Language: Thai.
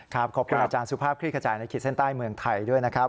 ขอบคุณอาจารย์สุภาพคลี่ขจายในขีดเส้นใต้เมืองไทยด้วยนะครับ